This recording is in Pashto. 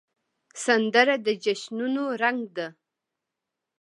سندره د جشنونو رنګ ده